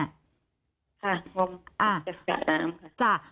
ค่ะงมจากสระน้ำค่ะ